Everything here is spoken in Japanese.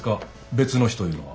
別の人いうのは。